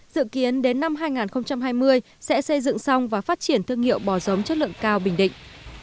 dự kiến đến năm hai nghìn hai mươi sẽ xây dựng xong và phát triển thương hiệu bò giống chất lượng cao bình định